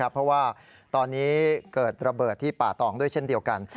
เพราะว่าตอนนี้เกิดระเบิดที่ป่าตองด้วยเช่นเดียวกัน